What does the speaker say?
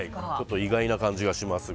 意外な感じがしますが。